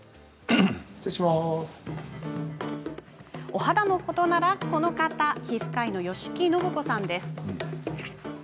お肌のことならこの方皮膚科医の吉木伸子さんです。